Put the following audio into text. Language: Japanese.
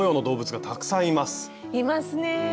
いますね。